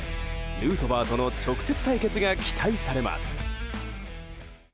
ヌートバーとの直接対決が期待されます。